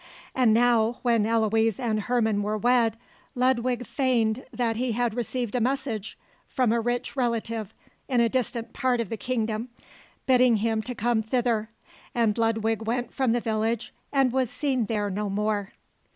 And now, when Eloise and Herman were wed, Ludwig feigned that he had received a message from a rich relative in a distant part of the kingdom bidding him come thither, and Ludwig went from the village and was seen there no more.